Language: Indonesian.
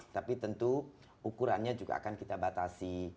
tapi tentu ukurannya juga akan kita batasi